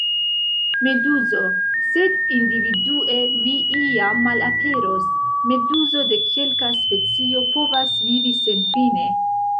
Meduzo: "Sed individue vi iam malaperos. Meduzo de kelka specio povas vivi senfine."